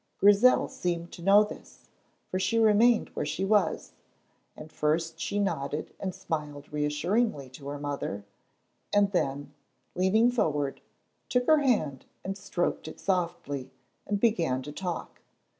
Grizel seemed to know this, for she remained where she was, and first she nodded and smiled reassuringly to her mother, and then, leaning forward, took her hand and stroked it softly and began to talk.